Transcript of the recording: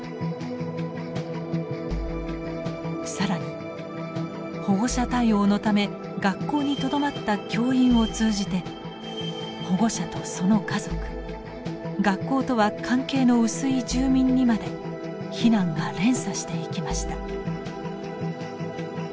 更に保護者対応のため学校にとどまった教員を通じて保護者とその家族学校とは関係の薄い住民にまで避難が連鎖していきました。